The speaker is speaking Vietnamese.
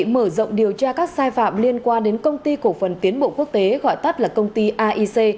mở rộng điều tra các sai phạm liên quan đến công ty cổ phần tiến bộ quốc tế gọi tắt là công ty aic